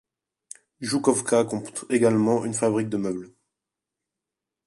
Joukovka compte également une fabrique de meubles.